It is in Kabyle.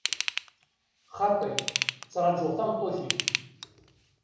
Xaṭi, ttrajuɣ tameṭṭut-iw.